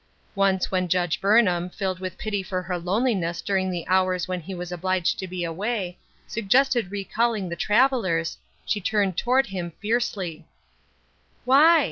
Once when Judge Burnham — filled with pity for her loneliness during the hours when he was obliged to be away — suggested recalling the travellers, she turned toward him fiercely :" Why